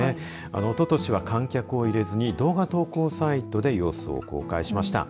おととしは観客を入れずに動画投稿サイトで様子を公開しました。